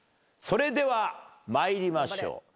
それでは参りましょう。